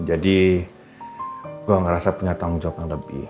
jadi gue ngerasa punya tanggung jawab yang lebih